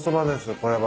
これは。